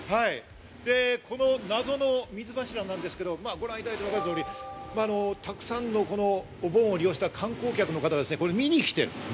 この謎の水柱なんですけれども、ご覧いただいてもわかるように、たくさんのこのお盆を利用した観光客の方が見に来ている。